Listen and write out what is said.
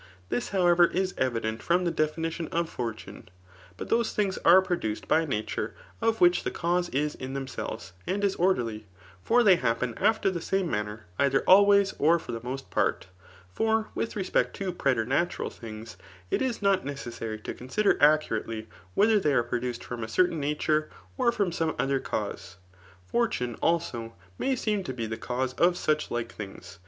^ This, however, is evident from the definition of fortune. But those thmgs are produced by nature, of which the cause is in themselves and is orderly. For they happen a&er the same manner, either always, or for the most part. For with respect to pre* tematural things, it is not necessary to consider acca rately whether they are produced from a cartain nature^ or from some other cause. Fortune, also, may seem ta be the cause of sudi like thii^s.